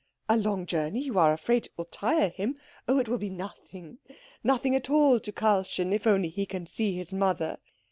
A long journey? You are afraid it will tire him? Oh, it will be nothing, nothing at all to Karlchen if only he can see his mother.